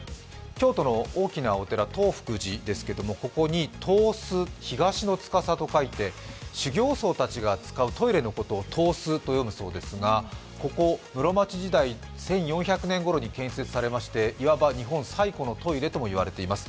京都の大きなお寺、東福寺ですがここに東司、修行僧たちの使うトイレのことを東司と呼ぶそうですが、室町時代１４００年ごろに建設されまして、いわば日本最古のトイレとも呼ばれています。